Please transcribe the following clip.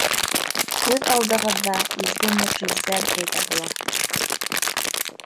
Күҙ алдығыҙҙа изге мөғжизә пәйҙә була.